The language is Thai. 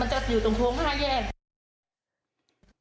จะอยู่ตรงโค้ง๕แยก